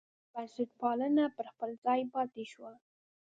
بنسټپالنه پر خپل ځای پاتې شوه.